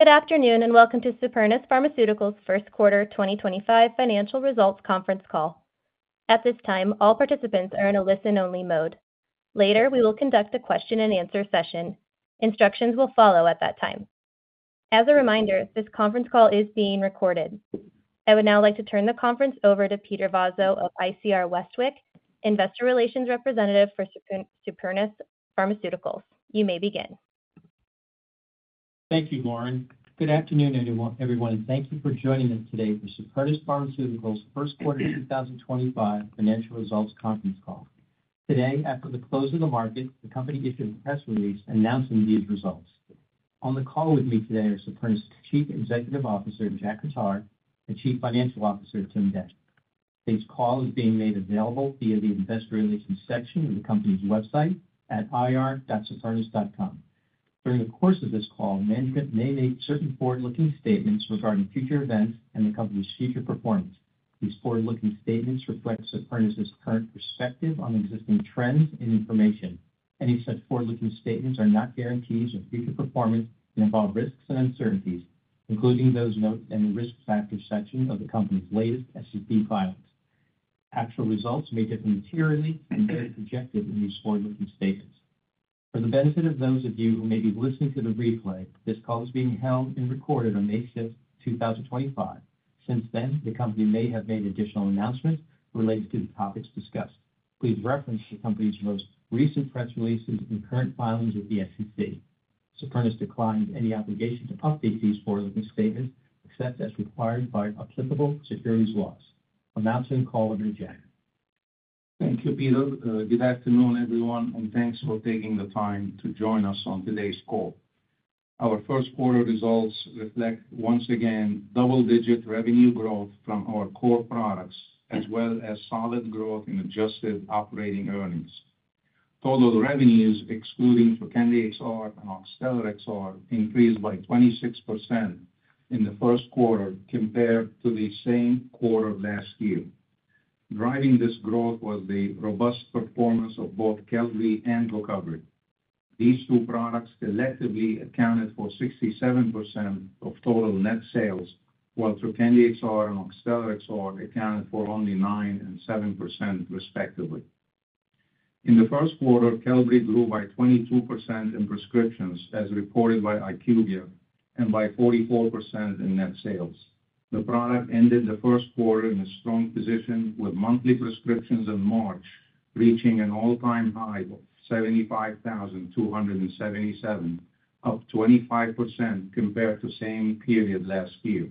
Good afternoon and welcome to Supernus Pharmaceuticals' First Quarter 2025 Financial Results Conference Call. At this time, all participants are in a listen-only mode. Later, we will conduct a question-and-answer session. Instructions will follow at that time. As a reminder, this conference call is being recorded. I would now like to turn the conference over to Peter Vozzo of ICR Westwicke, Investor Relations representative for Supernus Pharmaceuticals. You may begin. Thank you, Lauren. Good afternoon, everyone, and thank you for joining us today for Supernus Pharmaceuticals' First Quarter 2025 Financial Results Conference Call. Today, after the close of the market, the company issued a press release announcing these results. On the call with me today are Supernus Chief Executive Officer Jack Khattar and Chief Financial Officer Tim Dec. This call is being made available via the investor relations section of the company's website at ir.supernus.com. During the course of this call, management may make certain forward-looking statements regarding future events and the company's future performance. These forward-looking statements reflect Supernus' current perspective on existing trends and information. Any such forward-looking statements are not guarantees of future performance and involve risks and uncertainties, including those noted in the risk factors section of the company's latest SEC filings. Actual results may differ materially from those projected in these forward-looking statements. For the benefit of those of you who may be listening to the replay, this call is being held and recorded on May 5th, 2025. Since then, the company may have made additional announcements related to the topics discussed. Please reference the company's most recent press releases and current filings with the SEC. Supernus declines any obligation to update these forward-looking statements except as required by applicable securities laws. I'm now to the call of Jack. Thank you, Peter. Good afternoon, everyone, and thanks for taking the time to join us on today's call. Our first quarter results reflect, once again, double-digit revenue growth from our core products, as well as solid growth in adjusted operating earnings. Total revenues, excluding Trokendi XR and Oxtellar XR, increased by 26% in the first quarter compared to the same quarter last year. Driving this growth was the robust performance of both Qelbree and GOCOVRI. These two products collectively accounted for 67% of total net sales, while Trokendi XR and Oxtellar XR accounted for only 9% and 7%, respectively. In the first quarter, Qelbree grew by 22% in prescriptions, as reported by IQVIA, and by 44% in net sales. The product ended the first quarter in a strong position, with monthly prescriptions in March reaching an all-time high of 75,277, up 25% compared to the same period last year.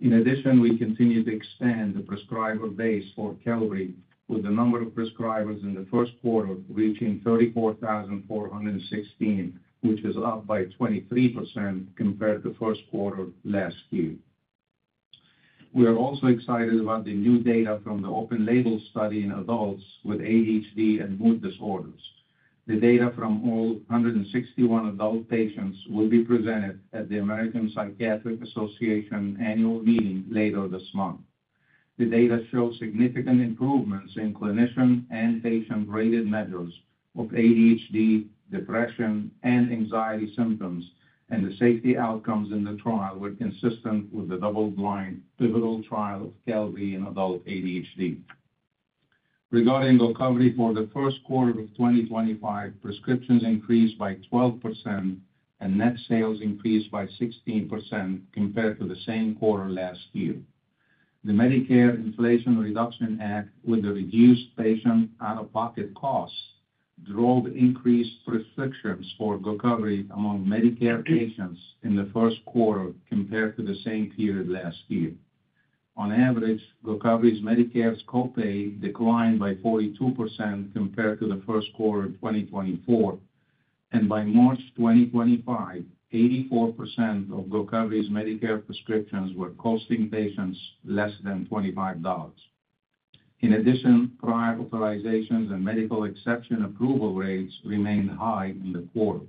In addition, we continued to expand the prescriber base for Qelbree, with the number of prescribers in the first quarter reaching 34,416, which is up by 23% compared to the first quarter last year. We are also excited about the new data from the open-label study in adults with ADHD and mood disorders. The data from all 161 adult patients will be presented at the American Psychiatric Association annual meeting later this month. The data show significant improvements in clinician and patient-rated measures of ADHD, depression, and anxiety symptoms, and the safety outcomes in the trial were consistent with the double-blind pivotal trial of Qelbree in adult ADHD. Regarding GOCOVRI for the first quarter of 2025, prescriptions increased by 12% and net sales increased by 16% compared to the same quarter last year. The Medicare Inflation Reduction Act, with the reduced patient out-of-pocket costs, drove increased prescriptions for GOCOVRI among Medicare patients in the first quarter compared to the same period last year. On average, GOCOVRI's Medicare copay declined by 42% compared to the first quarter of 2024, and by March 2025, 84% of GOCOVRI's Medicare prescriptions were costing patients less than $25. In addition, prior authorizations and medical exception approval rates remained high in the quarter.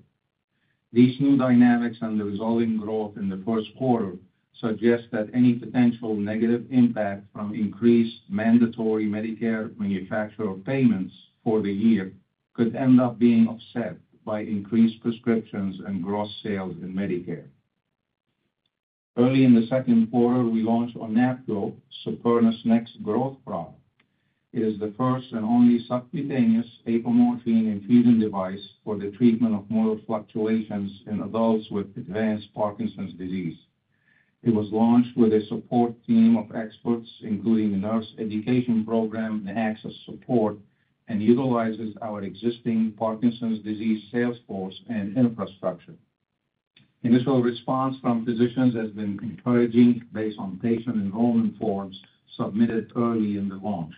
These new dynamics and the resulting growth in the first quarter suggest that any potential negative impact from increased mandatory Medicare manufacturer payments for the year could end up being offset by increased prescriptions and gross sales in Medicare. Early in the second quarter, we launched ONAPGO, Supernus' next growth product. It is the first and only subcutaneous apomorphine infusion device for the treatment of motor fluctuations in adults with advanced Parkinson's disease. It was launched with a support team of experts, including a nurse education program and access support, and utilizes our existing Parkinson's disease sales force and infrastructure. Initial response from physicians has been encouraging based on patient enrollment forms submitted early in the launch.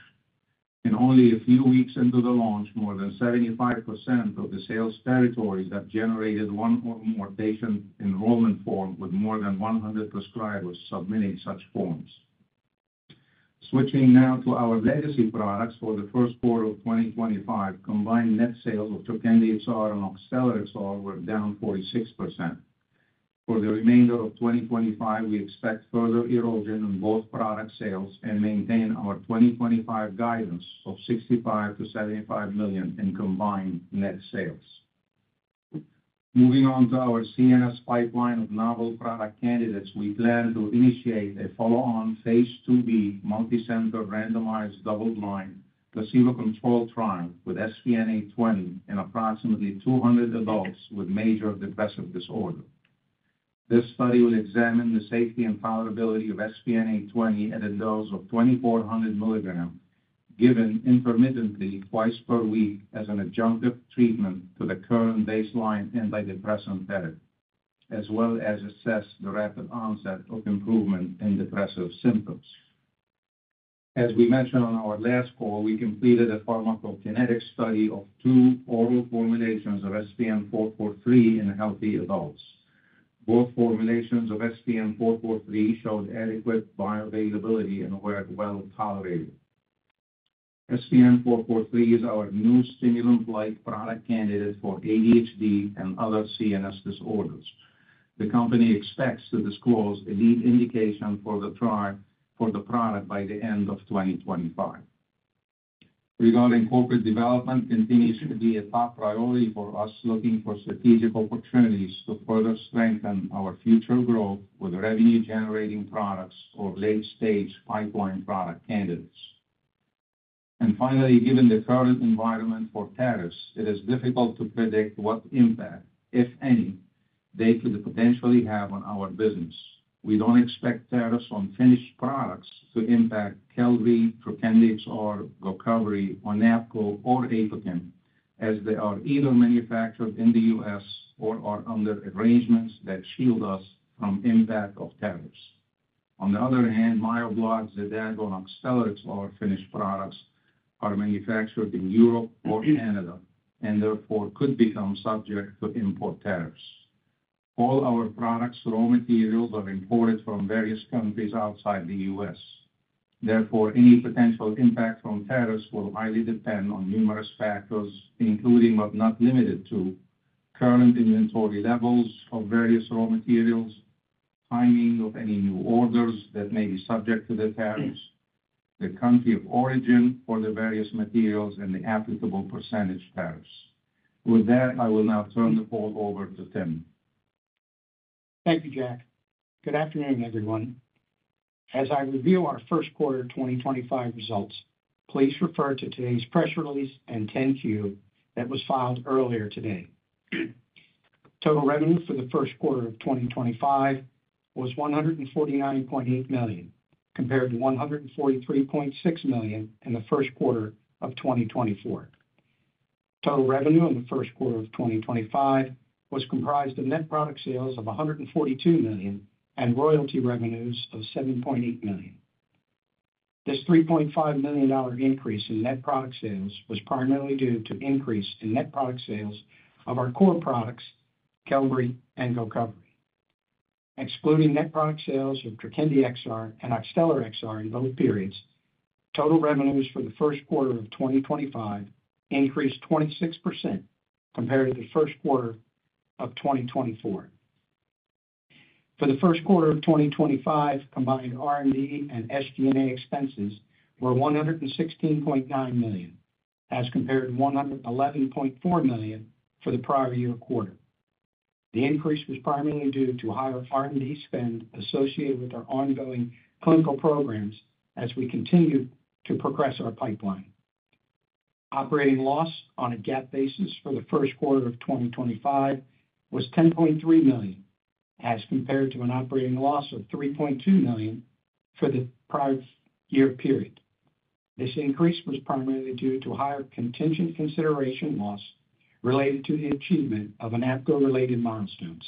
In only a few weeks into the launch, more than 75% of the sales territories have generated one or more patient enrollment forms with more than 100 prescribers submitting such forms. Switching now to our legacy products for the first quarter of 2025, combined net sales of Trokendi XR and Oxtellar XR were down 46%. For the remainder of 2025, we expect further erosion in both product sales and maintain our 2025 guidance of $65 million-$75 million in combined net sales. Moving on to our CNS pipeline of novel product candidates, we plan to initiate a follow-on phase IIb multicenter randomized double-blind placebo-controlled trial with SPN-820 in approximately 200 adults with major depressive disorder. This study will examine the safety and tolerability of SPN-820 at a dose of 2,400 mg, given intermittently twice per week as an adjunctive treatment to the current baseline antidepressant therapy, as well as assess the rapid onset of improvement in depressive symptoms. As we mentioned on our last call, we completed a pharmacokinetic study of two oral formulations of SPN-443 in healthy adults. Both formulations of SPN-443 showed adequate bioavailability and were well tolerated. SPN-443 is our new stimulant-like product candidate for ADHD and other CNS disorders. The company expects to disclose a lead indication for the product by the end of 2025. Regarding corporate development, it continues to be a top priority for us, looking for strategic opportunities to further strengthen our future growth with revenue-generating products or late-stage pipeline product candidates. Finally, given the current environment for tariffs, it is difficult to predict what impact, if any, they could potentially have on our business. We do not expect tariffs on finished products to impact Qelbree, Trokendi XR, GOCOVRI, ONAPGO, or APOKYN, as they are either manufactured in the U.S. or are under arrangements that shield us from impact of tariffs. On the other hand, Myobloc, XADAGO, and Oxtellar XR finished products are manufactured in Europe or Canada and therefore could become subject to import tariffs. All our products' raw materials are imported from various countries outside the U.S. Therefore, any potential impact from tariffs will highly depend on numerous factors, including, but not limited to, current inventory levels of various raw materials, timing of any new orders that may be subject to the tariffs, the country of origin for the various materials, and the applicable percentage tariffs. With that, I will now turn the call over to Tim. Thank you, Jack. Good afternoon, everyone. As I review our first quarter 2025 results, please refer to today's press release and 10-Q that was filed earlier today. Total revenue for the first quarter of 2025 was $149.8 million compared to $143.6 million in the first quarter of 2024. Total revenue in the first quarter of 2025 was comprised of net product sales of $142 million and royalty revenues of $7.8 million. This $3.5 million increase in net product sales was primarily due to an increase in net product sales of our core products, Qelbree and GOCOVRI. Excluding net product sales of Trokendi XR and Oxtellar XR in both periods, total revenues for the first quarter of 2025 increased 26% compared to the first quarter of 2024. For the first quarter of 2025, combined R&D and SG&A expenses were $116.9 million, as compared to $111.4 million for the prior year quarter. The increase was primarily due to higher R&D spend associated with our ongoing clinical programs as we continue to progress our pipeline. Operating loss on a GAAP basis for the first quarter of 2025 was $10.3 million, as compared to an operating loss of $3.2 million for the prior year period. This increase was primarily due to higher contingent consideration loss related to the achievement of ONAPGO-related milestones.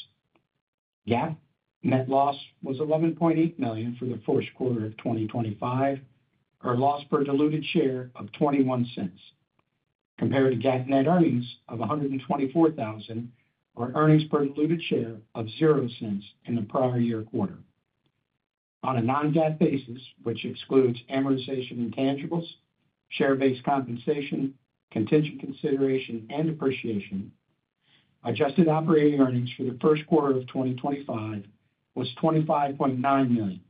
GAAP net loss was $11.8 million for the first quarter of 2025, or a loss per diluted share of $0.21, compared to GAAP net earnings of $124,000, or earnings per diluted share of $0.00 in the prior year quarter. On a non-GAAP basis, which excludes amortization intangibles, share-based compensation, contingent consideration, and depreciation, adjusted operating earnings for the first quarter of 2025 was $25.9 million,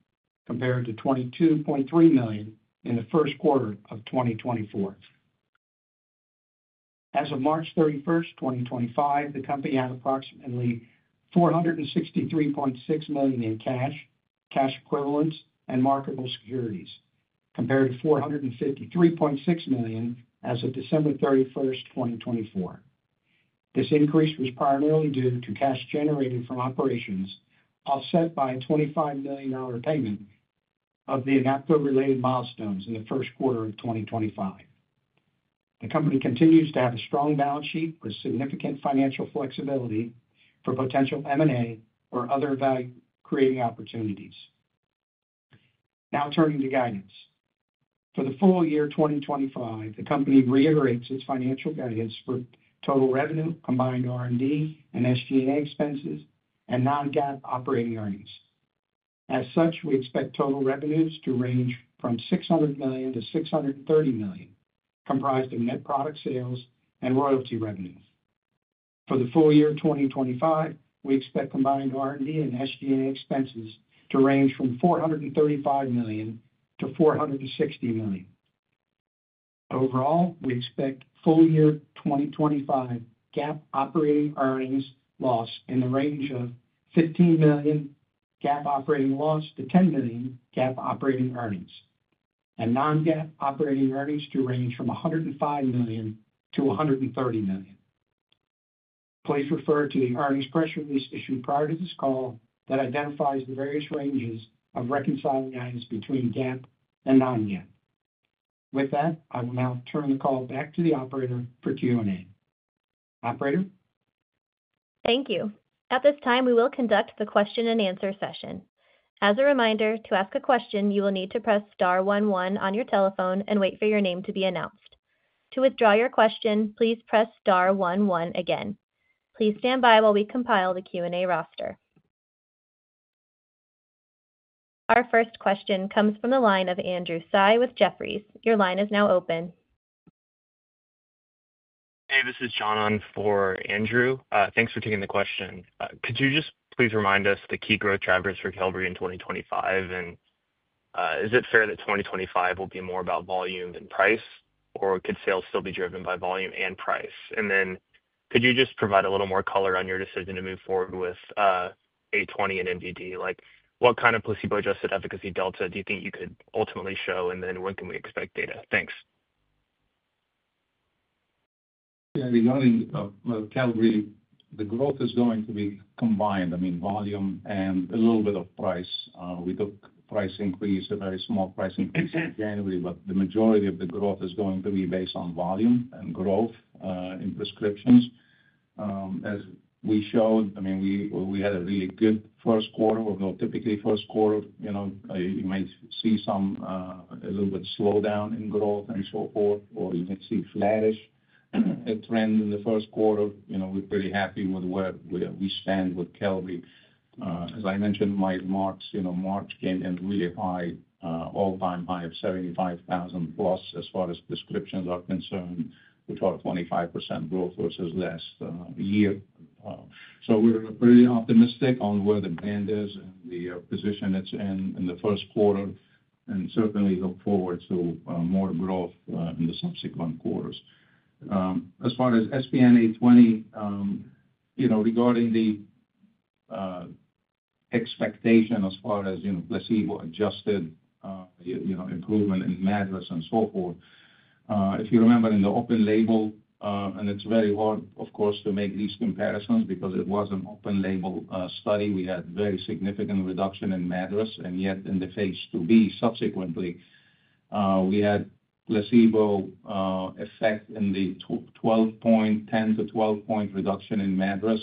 compared to $22.3 million in the first quarter of 2024. As of March 31st, 2025, the company had approximately $463.6 million in cash, cash equivalents, and marketable securities, compared to $453.6 million as of December 31st, 2024. This increase was primarily due to cash generated from operations, offset by a $25 million payment of the ONAPGO-related milestones in the first quarter of 2025. The company continues to have a strong balance sheet with significant financial flexibility for potential M&A or other value-creating opportunities. Now turning to guidance. For the full year 2025, the company reiterates its financial guidance for total revenue, combined R&D and SG&A expenses, and non-GAAP operating earnings. As such, we expect total revenues to range from $600 million-$630 million, comprised of net product sales and royalty revenue. For the full year 2025, we expect combined R&D and SG&A expenses to range from $435 million-$460 million. Overall, we expect full year 2025 GAAP operating earnings loss in the range of $15 million GAAP operating loss to $10 million GAAP operating earnings, and non-GAAP operating earnings to range from $105 million-$130 million. Please refer to the earnings press release issued prior to this call that identifies the various ranges of reconciling earnings between GAAP and non-GAAP. With that, I will now turn the call back to the operator for Q&A. Operator. Thank you. At this time, we will conduct the question-and-answer session. As a reminder, to ask a question, you will need to press star one one on your telephone and wait for your name to be announced. To withdraw your question, please press star one one again. Please stand by while we compile the Q&A roster. Our first question comes from the line of Andrew Tsai with Jefferies. Your line is now open. Hey, this is John on for Andrew. Thanks for taking the question. Could you just please remind us the key growth drivers for Supernus in 2025? Is it fair that 2025 will be more about volume than price, or could sales still be driven by volume and price? Could you just provide a little more color on your decision to move forward with 820 and MDD? What kind of placebo-adjusted efficacy delta do you think you could ultimately show, and when can we expect data? Thanks. Yeah, regarding Qelbree, the growth is going to be combined, I mean, volume and a little bit of price. We took a price increase, a very small price increase in January, but the majority of the growth is going to be based on volume and growth in prescriptions. As we showed, I mean, we had a really good first quarter, although typically first quarter, you may see some a little bit slowdown in growth and so forth, or you may see a flattish trend in the first quarter. We're pretty happy with where we stand with Qelbree. As I mentioned, my remarks, March came in really high, all-time high of 75,000 plus as far as prescriptions are concerned, which are 25% growth versus last year. We're pretty optimistic on where the band is and the position it's in in the first quarter, and certainly look forward to more growth in the subsequent quarters. As far as SPN-820, regarding the expectation as far as placebo-adjusted improvement in MADRS and so forth, if you remember in the open label, and it's very hard, of course, to make these comparisons because it was an open label study. We had very significant reduction in MADRS, and yet in the phase IIb subsequently, we had placebo effect in the 12-point, 10-12-point reduction in MADRS.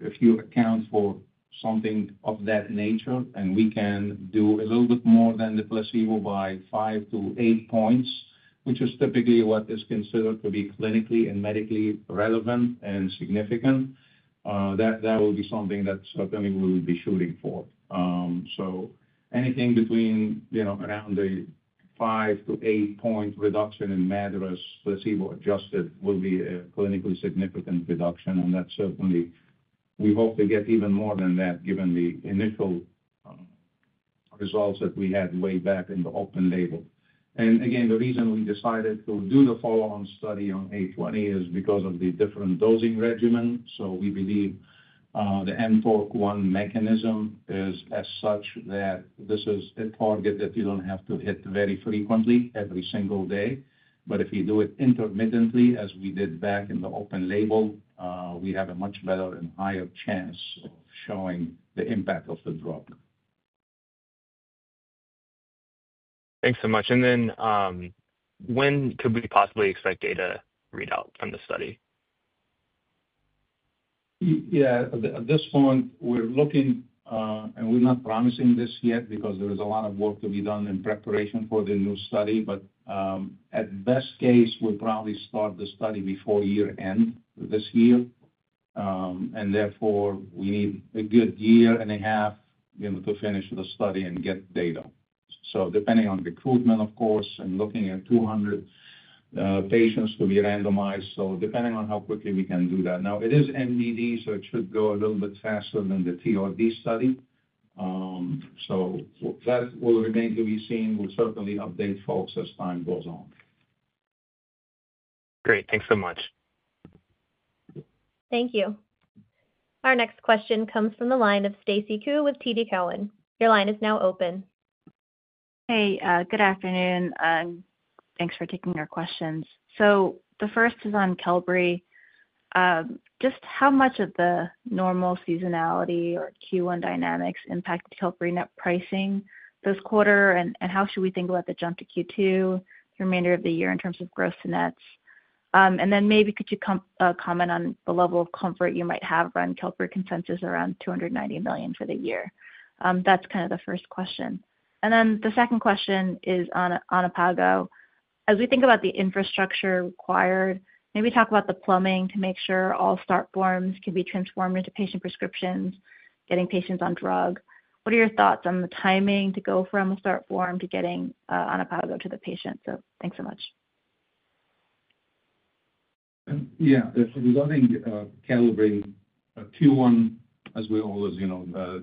If you account for something of that nature and we can do a little bit more than the placebo by five to eight points, which is typically what is considered to be clinically and medically relevant and significant, that will be something that certainly we will be shooting for. Anything between around the five to eight-point reduction in MADRS placebo-adjusted will be a clinically significant reduction, and that certainly we hope to get even more than that given the initial results that we had way back in the open label. Again, the reason we decided to do the follow-on study on 820 is because of the different dosing regimen. We believe the mTORC1 mechanism is as such that this is a target that you do not have to hit very frequently every single day. If you do it intermittently, as we did back in the open label, we have a much better and higher chance of showing the impact of the drug. Thanks so much. When could we possibly expect data readout from the study? Yeah, at this point, we're looking, and we're not promising this yet because there is a lot of work to be done in preparation for the new study. At best case, we'll probably start the study before year-end this year. Therefore, we need a good year and a half to finish the study and get data. Depending on recruitment, of course, and looking at 200 patients to be randomized. Depending on how quickly we can do that. Now, it is MDD, so it should go a little bit faster than the TRD study. That will remain to be seen. We'll certainly update folks as time goes on. Great. Thanks so much. Thank you. Our next question comes from the line of Stacy Ku with TD Cowen. Your line is now open. Hey, good afternoon. Thanks for taking our questions. The first is on Qelbree. Just how much of the normal seasonality or Q1 dynamics impacted Qelbree net pricing this quarter, and how should we think about the jump to Q2, the remainder of the year in terms of gross nets? Maybe could you comment on the level of comfort you might have around Qelbree consensus around $290 million for the year? That's kind of the first question. The second question is on ONAPGO. As we think about the infrastructure required, maybe talk about the plumbing to make sure all start forms can be transformed into patient prescriptions, getting patients on drug. What are your thoughts on the timing to go from a start form to getting ONAPGO to the patient? Thanks so much. Yeah, regarding Qelbree, Q1, as we always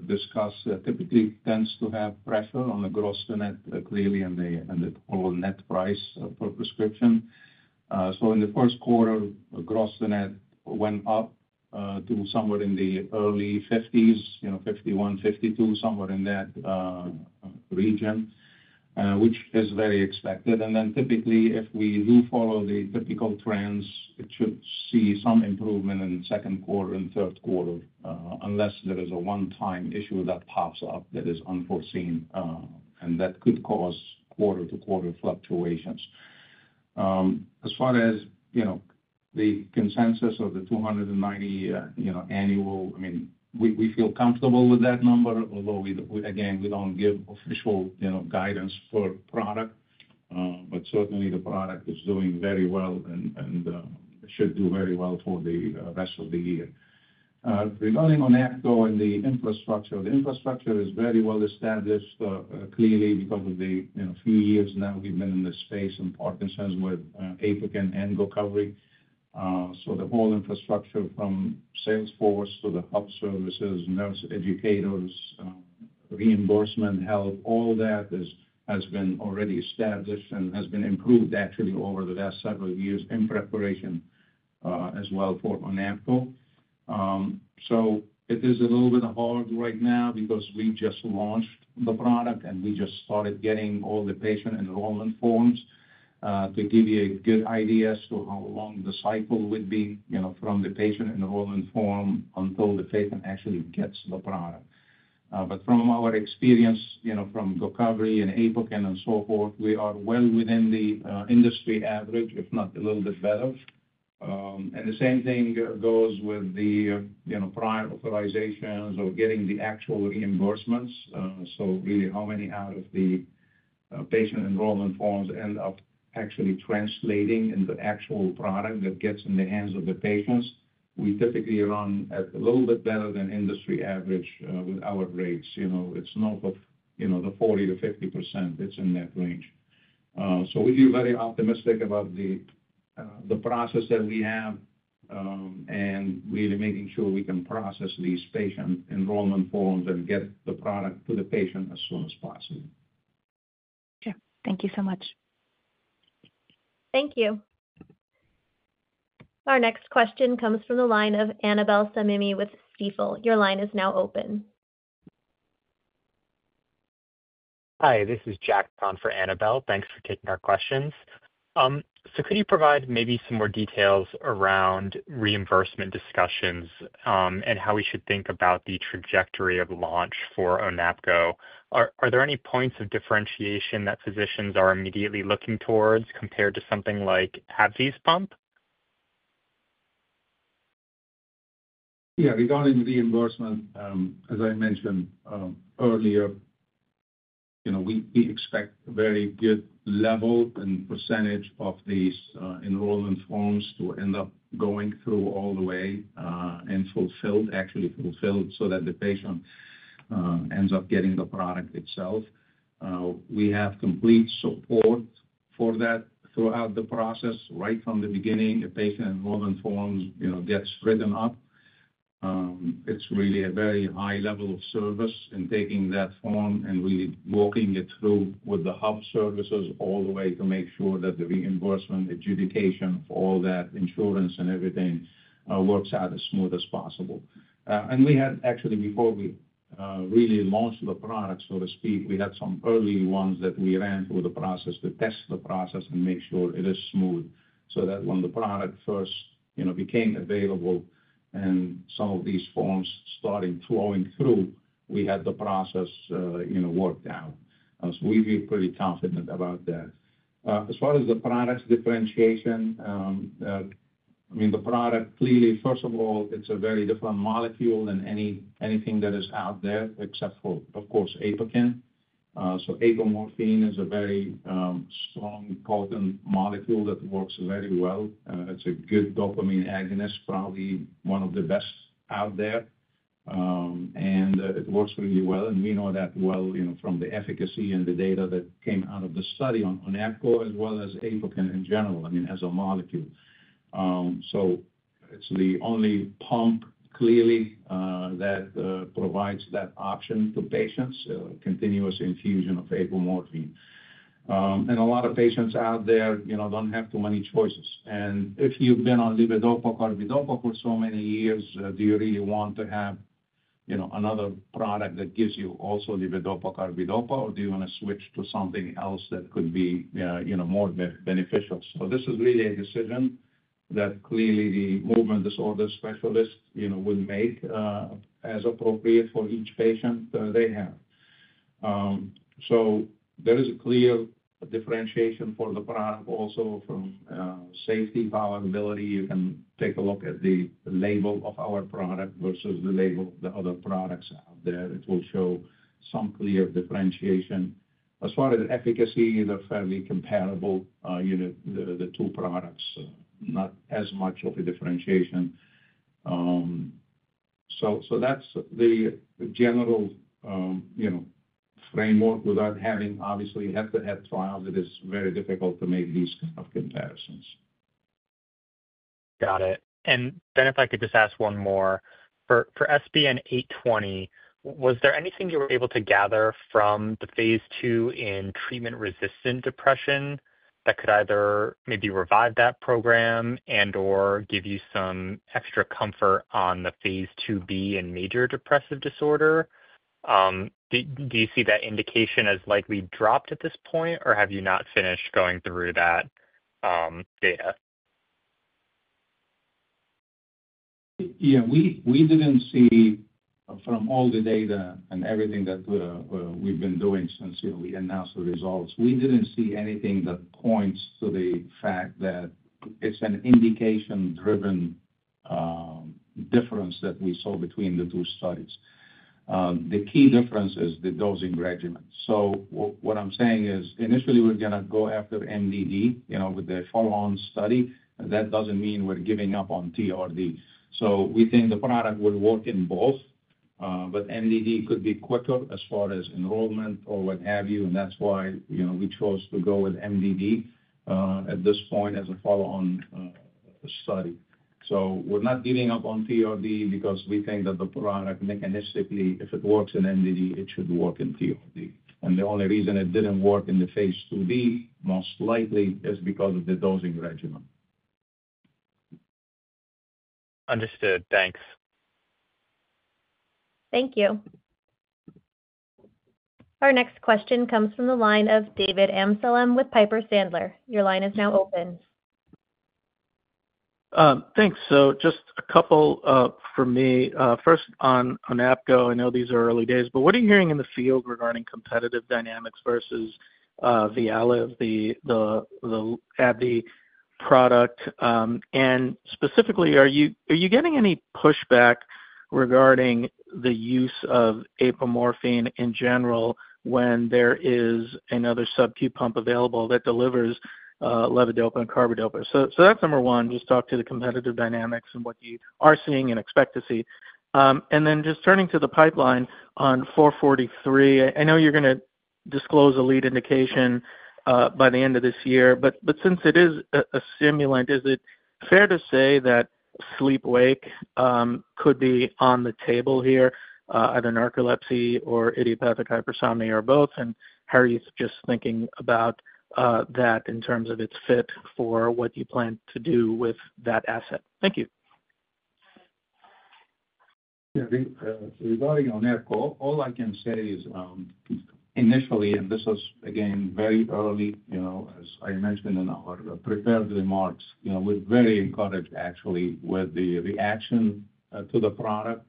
discuss, typically tends to have pressure on the gross net clearly and the total net price per prescription. In the first quarter, gross net went up to somewhere in the early 50s, 51%, 52%, somewhere in that region, which is very expected. Typically, if we do follow the typical trends, it should see some improvement in the second quarter and third quarter unless there is a one-time issue that pops up that is unforeseen, and that could cause quarter-to-quarter fluctuations. As far as the consensus of the $290 million annual, I mean, we feel comfortable with that number, although again, we do not give official guidance for product, but certainly the product is doing very well and should do very well for the rest of the year. Regarding ONAPGO and the infrastructure, the infrastructure is very well established clearly because of the few years now we've been in this space and Parkinson's with APOKYN and GOCOVRI. The whole infrastructure from Salesforce to the health services, nurse educators, reimbursement help, all that has been already established and has been improved actually over the last several years in preparation as well for ONAPGO. It is a little bit hard right now because we just launched the product and we just started getting all the patient enrollment forms to give you a good idea as to how long the cycle would be from the patient enrollment form until the patient actually gets the product. From our experience from GOCOVRI and APOKYN and so forth, we are well within the industry average, if not a little bit better. The same thing goes with the prior authorizations or getting the actual reimbursements. Really, how many out of the patient enrollment forms end up actually translating into actual product that gets in the hands of the patients, we typically run at a little bit better than industry average with our rates. It's north of the 40%-50%. It's in that range. We feel very optimistic about the process that we have and really making sure we can process these patient enrollment forms and get the product to the patient as soon as possible. Yeah. Thank you so much. Thank you. Our next question comes from the line of Annabel Samimy with Stifel. Your line is now open. Hi, this is Jack on for Annabel. Thanks for taking our questions. Could you provide maybe some more details around reimbursement discussions and how we should think about the trajectory of launch for ONAPGO? Are there any points of differentiation that physicians are immediately looking towards compared to something like AbbVie's pump? Yeah, regarding reimbursement, as I mentioned earlier, we expect a very good level and percentage of these enrollment forms to end up going through all the way and fulfilled, actually fulfilled so that the patient ends up getting the product itself. We have complete support for that throughout the process. Right from the beginning, a patient enrollment form gets written up. It's really a very high level of service in taking that form and really walking it through with the health services all the way to make sure that the reimbursement adjudication for all that insurance and everything works out as smooth as possible. We had actually, before we really launched the product, so to speak, we had some early ones that we ran through the process to test the process and make sure it is smooth so that when the product first became available and some of these forms started flowing through, we had the process worked out. We feel pretty confident about that. As far as the product's differentiation, I mean, the product clearly, first of all, it's a very different molecule than anything that is out there, except for, of course, APOKYN. Apomorphine is a very strong potent molecule that works very well. It's a good dopamine agonist, probably one of the best out there. It works really well. We know that well from the efficacy and the data that came out of the study on ONAPGO as well as APOKYN in general, I mean, as a molecule. It is the only pump clearly that provides that option to patients, continuous infusion of apomorphine. A lot of patients out there do not have too many choices. If you have been on levodopa and carbidopa for so many years, do you really want to have another product that gives you also levodopa and carbidopa, or do you want to switch to something else that could be more beneficial? This is really a decision that clearly the movement disorder specialist will make as appropriate for each patient they have. There is a clear differentiation for the product also from safety, viability. You can take a look at the label of our product versus the label of the other products out there. It will show some clear differentiation. As far as efficacy, they're fairly comparable, the two products, not as much of a differentiation. That is the general framework. Without having, obviously, head-to-head trials, it is very difficult to make these kinds of comparisons. Got it. If I could just ask one more. For SPN-820, was there anything you were able to gather from the phase II in treatment-resistant depression that could either maybe revive that program and/or give you some extra comfort on the phase IIb in major depressive disorder? Do you see that indication as likely dropped at this point, or have you not finished going through that data? Yeah, we didn't see from all the data and everything that we've been doing since we announced the results, we didn't see anything that points to the fact that it's an indication-driven difference that we saw between the two studies. The key difference is the dosing regimen. What I'm saying is initially we're going to go after MDD with the follow-on study. That doesn't mean we're giving up on TRD. We think the product will work in both, but MDD could be quicker as far as enrollment or what have you. That's why we chose to go with MDD at this point as a follow-on study. We're not giving up on TRD because we think that the product mechanistically, if it works in MDD, it should work in TRD. The only reason it didn't work in the phase IIb most likely is because of the dosing regimen. Understood. Thanks. Thank you. Our next question comes from the line of David Amsellem with Piper Sandler. Your line is now open. Thanks. Just a couple for me. First, on ONAPGO, I know these are early days, but what are you hearing in the field regarding competitive dynamics versus VYALEV, the AbbVie product? Specifically, are you getting any pushback regarding the use of apomorphine in general when there is another subQ pump available that delivers levodopa and carbidopa? That's number one, just talk to the competitive dynamics and what you are seeing and expect to see. Turning to the pipeline on 443, I know you're going to disclose a lead indication by the end of this year, but since it is a stimulant, is it fair to say that sleep-wake could be on the table here, either narcolepsy or idiopathic hypersomnia or both? How are you just thinking about that in terms of its fit for what you plan to do with that asset? Thank you. Yeah, regarding ONAPGO, all I can say is initially, and this was again very early, as I mentioned in our prepared remarks, we're very encouraged actually with the reaction to the product,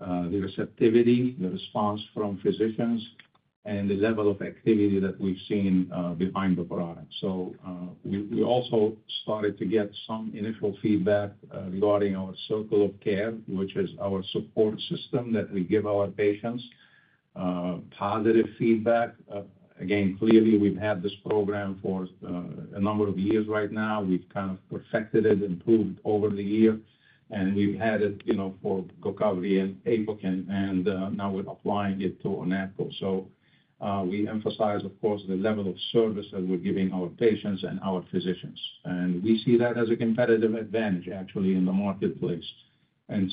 the receptivity, the response from physicians, and the level of activity that we've seen behind the product. We also started to get some initial feedback regarding our Circle of Care, which is our support system that we give our patients, positive feedback. Again, clearly, we've had this program for a number of years right now. We've kind of perfected it, improved over the year, and we've had it for GOCOVRI and APOKYN, and now we're applying it to ONAPGO. We emphasize, of course, the level of service that we're giving our patients and our physicians. We see that as a competitive advantage actually in the marketplace.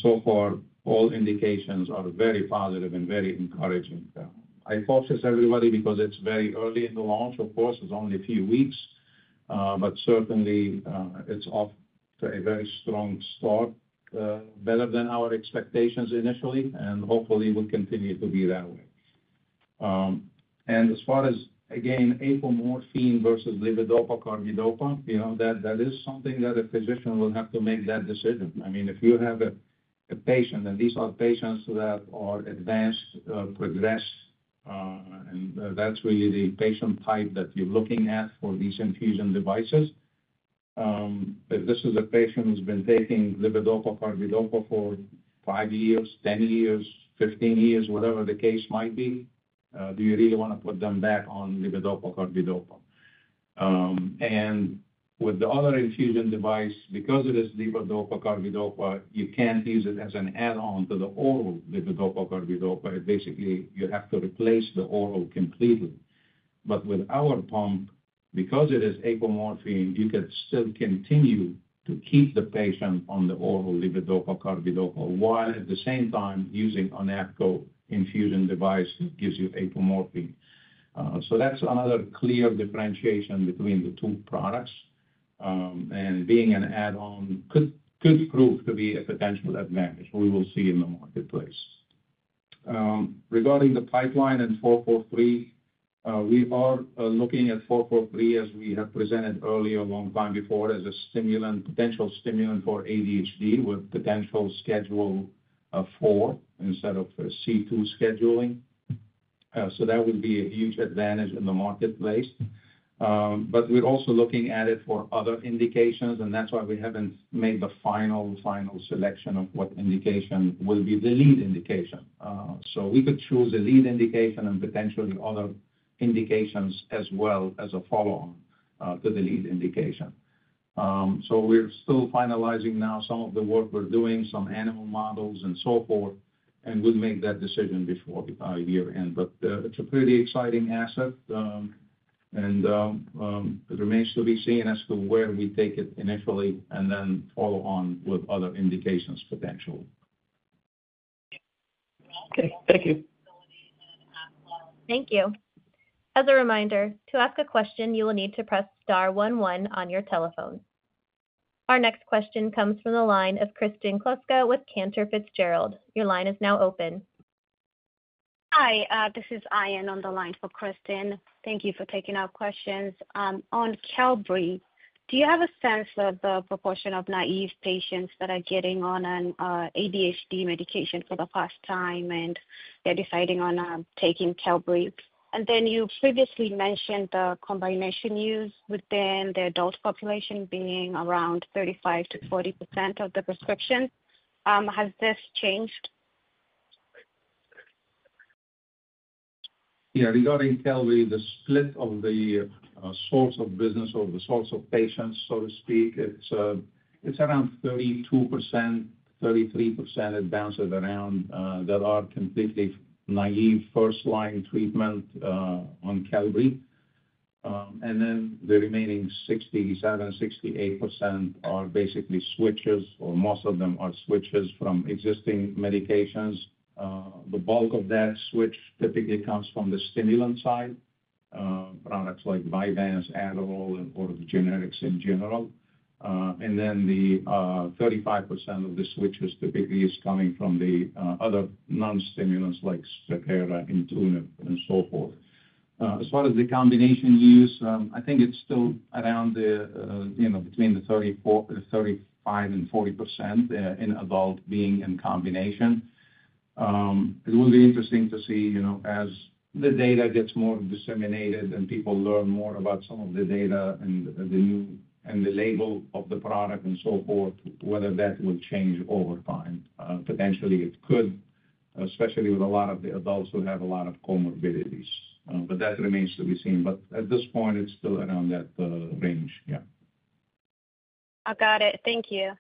So far, all indications are very positive and very encouraging. I apologize to everybody because it's very early in the launch. Of course, it's only a few weeks, but certainly it's off to a very strong start, better than our expectations initially, and hopefully we'll continue to be that way. As far as, again, apomorphine versus levodopa and carbidopa, that is something that a physician will have to make that decision. I mean, if you have a patient, and these are patients that are advanced, progressed, and that's really the patient type that you're looking at for these infusion devices, if this is a patient who's been taking levodopa and carbidopa for five years, 10 years, 15 years, whatever the case might be, do you really want to put them back on levodopa and carbidopa? With the other infusion device, because it is levodopa and carbidopa, you cannot use it as an add-on to the oral levodopa and carbidopa. Basically, you have to replace the oral completely. With our pump, because it is apomorphine, you could still continue to keep the patient on the oral levodopa and carbidopa while at the same time using ONAPGO infusion device that gives you apomorphine. That is another clear differentiation between the two products. Being an add-on could prove to be a potential advantage we will see in the marketplace. Regarding the pipeline and 443, we are looking at 443 as we have presented earlier a long time before as a potential stimulant for ADHD with potential Schedule IV instead of C2 scheduling. That would be a huge advantage in the marketplace. We're also looking at it for other indications, and that's why we haven't made the final, final selection of what indication will be the lead indication. We could choose a lead indication and potentially other indications as well as a follow-on to the lead indication. We're still finalizing now some of the work we're doing, some animal models and so forth, and we'll make that decision before year-end. It's a pretty exciting asset, and it remains to be seen as to where we take it initially and then follow on with other indications potentially. Okay. Thank you. Thank you. As a reminder, to ask a question, you will need to press star one one on your telephone. Our next question comes from the line of Kristen Kluska with Cantor Fitzgerald. Your line is now open. Hi, this is Ayan on the line for Kristen. Thank you for taking our questions. On Qelbree, do you have a sense of the proportion of naive patients that are getting on an ADHD medication for the first time and they're deciding on taking Qelbree? You previously mentioned the combination use within the adult population being around 35%-40% of the prescription. Has this changed? Yeah, regarding Qelbree, the split of the sorts of business or the sorts of patients, so to speak, it's around 32%, 33%, it bounces around, that are completely naive first-line treatment on Qelbree. The remaining 67%, 68% are basically switches, or most of them are switches from existing medications. The bulk of that switch typically comes from the stimulant side, products like Vyvanse, Adderall, and or the generics in general. The 35% of the switches typically is coming from the other non-stimulants like Strattera, Intuniv, and so forth. As far as the combination use, I think it's still around between the 35%-40% in adult being in combination. It will be interesting to see as the data gets more disseminated and people learn more about some of the data and the label of the product and so forth, whether that will change over time. Potentially, it could, especially with a lot of the adults who have a lot of comorbidities. That remains to be seen. At this point, it's still around that range. Yeah. I got it. Thank you.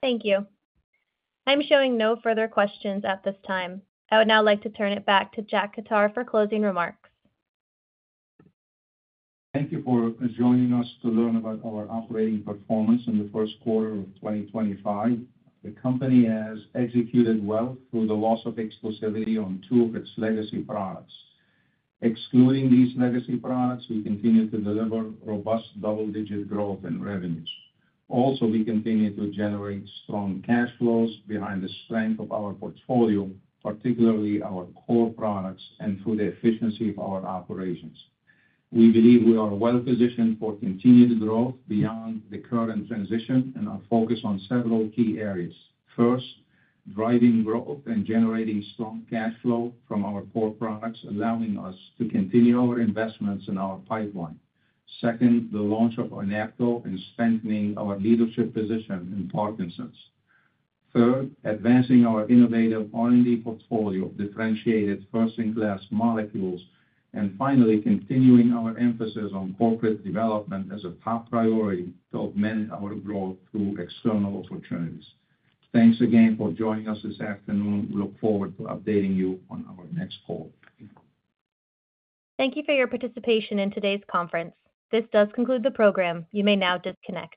Thank you. I'm showing no further questions at this time. I would now like to turn it back to Jack Khattar for closing remarks. Thank you for joining us to learn about our operating performance in the first quarter of 2025. The company has executed well through the loss of exclusivity on two of its legacy products. Excluding these legacy products, we continue to deliver robust double-digit growth in revenues. Also, we continue to generate strong cash flows behind the strength of our portfolio, particularly our core products and through the efficiency of our operations. We believe we are well positioned for continued growth beyond the current transition and our focus on several key areas. First, driving growth and generating strong cash flow from our core products, allowing us to continue our investments in our pipeline. Second, the launch of ONAPGO and strengthening our leadership position in Parkinson's. Third, advancing our innovative R&D portfolio of differentiated first-in-class molecules. Finally, continuing our emphasis on corporate development as a top priority to augment our growth through external opportunities. Thanks again for joining us this afternoon. We look forward to updating you on our next call. Thank you for your participation in today's conference. This does conclude the program. You may now disconnect.